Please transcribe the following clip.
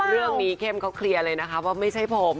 เข้มเขาเคลียร์เลยนะคะว่าไม่ใช่ผม